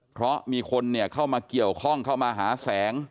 เพราะมีคนเข้ามาเกี่ยวข้องเข้ามาหาแสง